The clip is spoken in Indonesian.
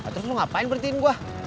terus mau ngapain berhentiin gue